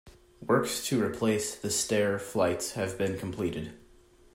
Works to replace the stair flights have been completed.